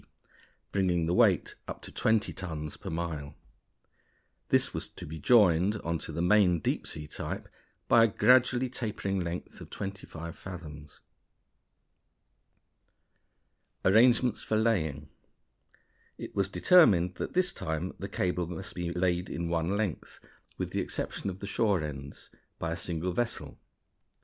bringing the weight up to 20 tons per mile. This was to be joined on to the main deep sea type by a gradually tapering length of twenty five fathoms. Arrangements for Laying. It was determined that this time the cable must be laid in one length, with the exception of the shore ends, by a single vessel.